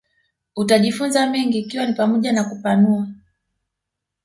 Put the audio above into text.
utajifunza mengi ikiwa ni pamoja na kupanua